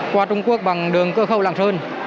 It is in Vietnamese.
qua trung quốc bằng đường cơ khâu lạng sơn